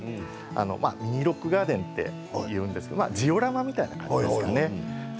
ミニロックガーデンというんですがジオラマみたいなものですね。